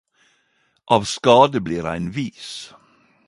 Av skade blir ein vis